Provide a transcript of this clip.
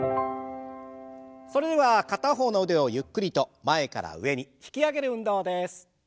それでは片方の腕をゆっくりと前から上に引き上げる運動です。